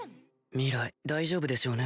明日大丈夫でしょうね？